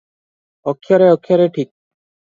ଅକ୍ଷରେ ଅକ୍ଷରେ ଠିକ୍ ।